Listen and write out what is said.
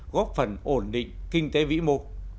góp phần ổn định kinh tế vĩ mô